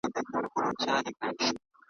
پیدا کړی چي خالق فاني جهان دی .